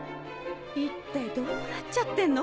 ・一体どうなっちゃってんの？